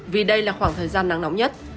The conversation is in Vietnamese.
vì đây là khoảng thời gian nắng nóng nhất